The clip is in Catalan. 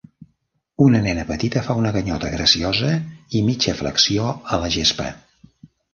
Una nena petita fa una ganyota graciosa i mitja flexió a la gespa.